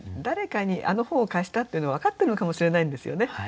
誰かにあの本を貸したっていうのを分かってるのかもしれないんですよね。